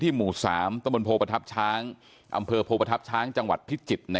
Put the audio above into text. หมู่๓ตะบนโพประทับช้างอำเภอโพประทับช้างจังหวัดพิจิตร